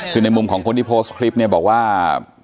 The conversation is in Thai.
คือในมุมของคนที่โพสต์คลิปเนี่ยบอกว่า